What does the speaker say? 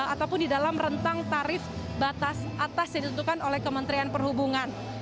ataupun di dalam rentang tarif batas atas yang ditentukan oleh kementerian perhubungan